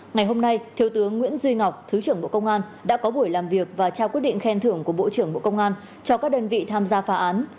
ngày hôm nay thiếu tướng nguyễn duy ngọc thứ trưởng bộ công an đã có buổi làm việc và trao quyết định khen thưởng của bộ trưởng bộ công an cho các đơn vị tham gia phá án